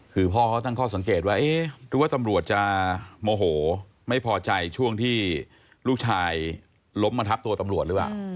คือพ่อเขาตั้งข้อสังเกตว่าเอ๊ะหรือว่าตำรวจจะโมโหไม่พอใจช่วงที่ลูกชายล้มมาทับตัวตำรวจหรือเปล่า